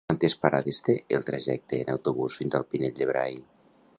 Quantes parades té el trajecte en autobús fins al Pinell de Brai?